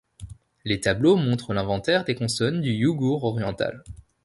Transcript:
Le tableau montre l'inventaire des consonnes du yugur oriental.